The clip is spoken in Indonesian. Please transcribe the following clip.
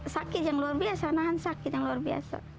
sakit yang luar biasa nahan sakit yang luar biasa